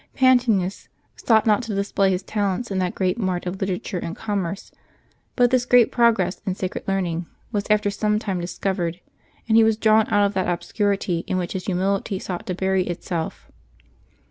Pantaenus sought not to display his talents in that great mart of literature and commerce ; but this great progress in sacred learning was after some time discovered, and he was drawn out of that obscurity in which his humility sought to bury itself.